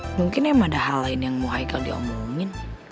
mungkin emang ada hal lain yang mau haikal dia omongin